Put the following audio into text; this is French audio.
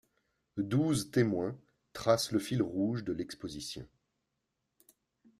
Douze témoins tracent le fil rouge de l’exposition.